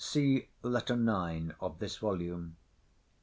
* See Letter IX. of this volume.